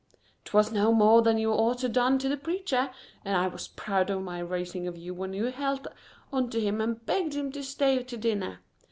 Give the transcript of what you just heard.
"'Twas no more than you oughter done to the preacher, and I was proud of my raising of you when you helt on to him and begged him to stay to dinner.